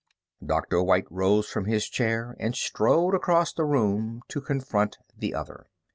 Dr. White rose from his chair and strode across the room to confront the other.